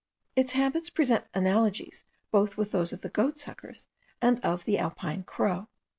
Its habits present analogies both with those of the goatsuckers and of the alpine crow.